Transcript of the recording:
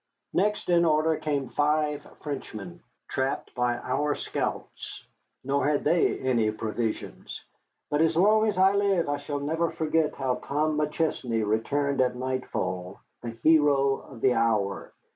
Next in order came five Frenchmen, trapped by our scouts, nor had they any provisions. But as long as I live I shall never forget how Tom McChesney returned at nightfall, the hero of the hour.